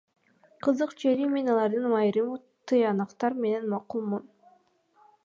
Кызык жери, мен алардын айрым тыянактары менен макулмун.